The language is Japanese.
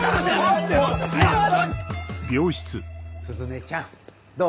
鈴音ちゃんどう？